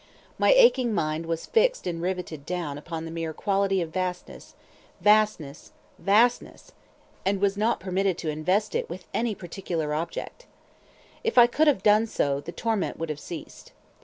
My aching mind was fixed and riveted down upon the mere quality of vastness, vastness, vastness, and was not permitted to invest with it any particular object. If I could have done so, the torment would have ceased.